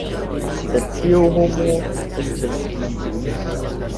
Sed tiu homo estis vi.